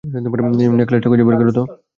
নেকলেসটা খুঁজে বের করো তো।